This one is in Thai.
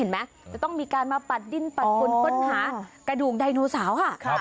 เห็นไหมจะต้องมีการมาปัดดิ้นปัดกุนค้นหากระดูกไดโนเสาค่ะ